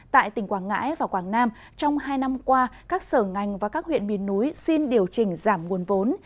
tại tỉnh quảng ngãi và quảng nam trong hai năm qua các sở ngành và các huyện miền núi xin điều chỉnh giảm nguồn vốn